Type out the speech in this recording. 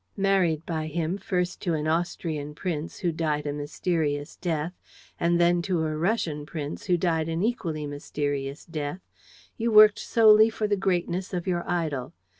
Married by him first to an Austrian prince, who died a mysterious death, and then to a Russian prince, who died an equally mysterious death, you worked solely for the greatness of your idol.